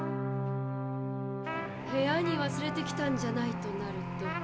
部屋に忘れてきたんじゃないとなると。